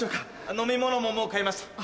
飲み物ももう買いました。